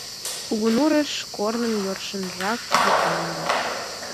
— Кугунурыш корным йӧршынжак ит мондо.